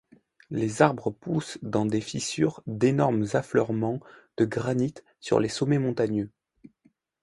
Les arbres poussent dans des fissures d'énormes affleurements de granit sur les sommets montagneux.